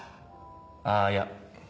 あぁいや。